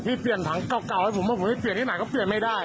เปลี่ยนถังเก่าให้ผมว่าผมไปเปลี่ยนที่ไหนก็เปลี่ยนไม่ได้